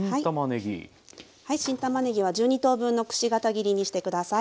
はい新たまねぎは１２等分のくし形切りにして下さい。